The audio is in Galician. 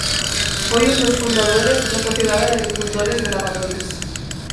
Foi un dos fundadores da Sociedade de Agricultores de Lavadores.